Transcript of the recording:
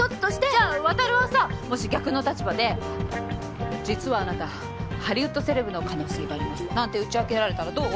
じゃあ渉はさもし逆の立場で「実はあなたハリウッドセレブの可能性があります」なんて打ち明けられたらどう？